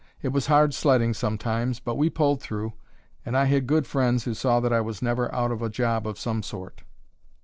It was hard sledding sometimes, but we pulled through. And I had good friends who saw that I was never out of a job of some sort.